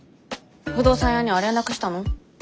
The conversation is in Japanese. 不動産屋には連絡したの？